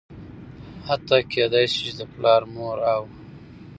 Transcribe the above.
حتا کيدى شي چې د پلار ،مور او